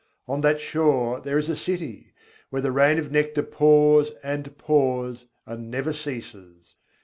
On that shore there is a city, where the rain of nectar pours and pours, and never ceases.